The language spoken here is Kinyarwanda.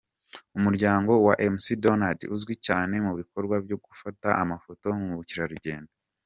Umuryango wa McDonald uzwi cyane mu bikorwa byo gufata amafoto mu Bukerarugendo.